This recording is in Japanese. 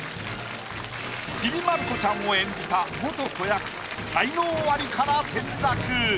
ちびまる子ちゃんを演じた元子役才能アリから転落。